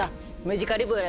ムジカリブロ？